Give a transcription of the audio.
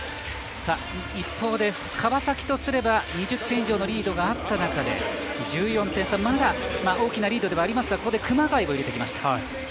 一方で川崎とすれば２０点以上のリードがあった中で１４点差、まだ大きなリードではありますがここで熊谷を入れてきました。